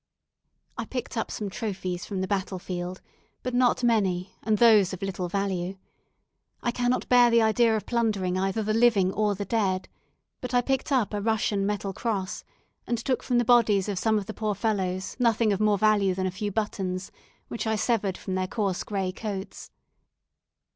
I picked up some trophies from the battle field, but not many, and those of little value. I cannot bear the idea of plundering either the living or the dead; but I picked up a Russian metal cross, and took from the bodies of some of the poor fellows nothing of more value than a few buttons, which I severed from their coarse grey coats.